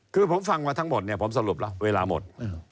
คือผมฟังมาทั้งหมดเนี่ยผมสรุปแล้วเวลาหมด